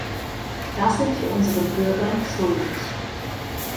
Das sind wir unseren Bürgern schuldig!